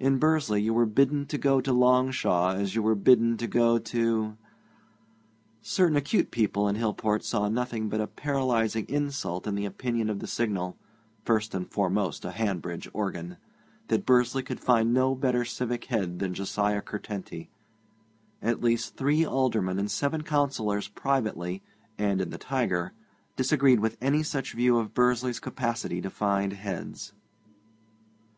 In Bursley you were bidden to go to Longshaw as you were bidden to go to ... Certain acute people in Hillport saw nothing but a paralyzing insult in the opinion of the Signal (first and foremost a Hanbridge organ), that Bursley could find no better civic head than Josiah Curtenty. At least three Aldermen and seven Councillors privately, and in the Tiger, disagreed with any such view of Bursley's capacity to find heads.